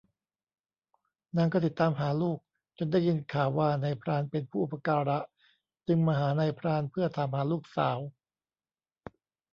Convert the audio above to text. นางก็ติดตามหาลูก จนได้ยินข่าวว่านายพรานเป็นผู้อุปการะจึงมาหานายพรานเพื่อถามหาลูกสาว